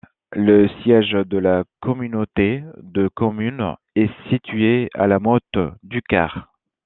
Le siège de la communauté de communes est situé à La Motte-du-Caire.